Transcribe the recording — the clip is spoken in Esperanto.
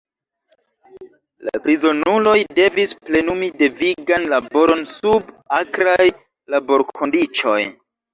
La prizonuloj devis plenumi devigan laboron sub akraj laborkondiĉoj.